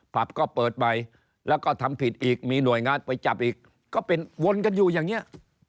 ผับก็เปิดไปแล้วก็ทำผิดอีกมีหน่วยงานไปจับอีกก็เป็นวนกันอยู่อย่างนี้